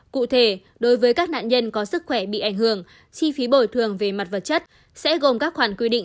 cụ thể đối với các nạn nhân có sức khỏe bị ảnh hưởng chi phí bồi thường về mặt vật chất sẽ gồm các khoản quy định